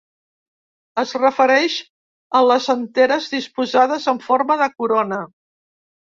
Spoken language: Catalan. Es refereix a les anteres disposades en forma de corona.